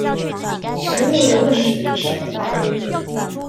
食物的問題怎麼辦？